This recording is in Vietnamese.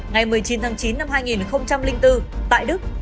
ngày một mươi chín tháng chín năm hai nghìn bốn tại đức